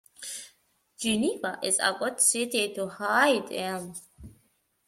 Geneva is a good city to hide in.